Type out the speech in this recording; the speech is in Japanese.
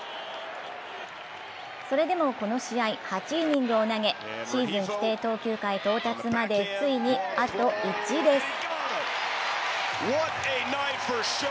それでもこの試合、８イニングを投げシーズン規定投球回到達までついにあと１です。